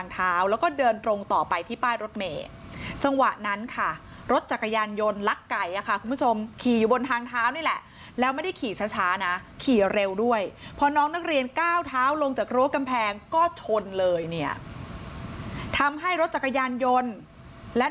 เท้าลงจากรั้วกำแพงก็ชนเลยเนี่ยทำให้รถจักรยานยนต์และ